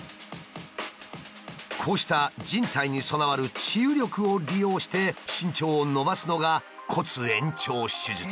こうした人体に備わる治癒力を利用して身長を伸ばすのが骨延長手術。